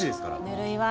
ぬるいわ。